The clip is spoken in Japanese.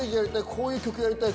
こういう曲やりたい